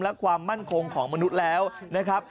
และความมั่นคงของมนุษย์แล้วนะครับ